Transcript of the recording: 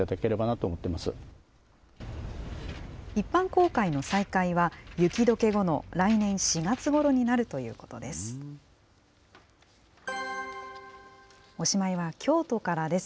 一般公開の再開は、雪どけ後の来年４月ごろになるということです。